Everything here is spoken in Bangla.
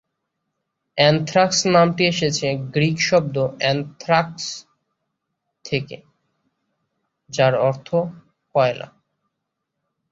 অ্যানথ্রাক্স নামটি এসেছে গ্রিক শব্দ অ্যানথ্রাক্স থেকে যার অর্থ কয়লা।